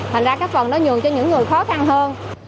thành ra cái phần đó nhường cho những người khó khăn hơn